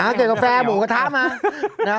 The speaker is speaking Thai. เก็บกาแฟหมูกระทะมา